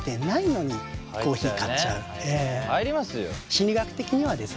心理学的にはですね